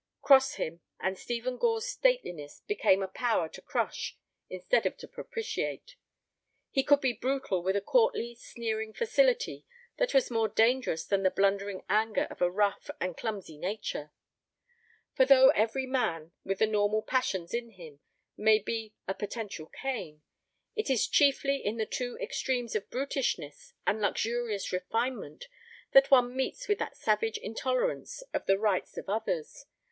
Cross him, and Stephen Gore's stateliness became a power to crush instead of to propitiate. He could be brutal with a courtly, sneering facility that was more dangerous than the blundering anger of a rough and clumsy nature. For though every man with the normal passions in him may be a potential Cain, it is chiefly in the two extremes of brutishness and luxurious refinement that one meets with that savage intolerance of the rights of others.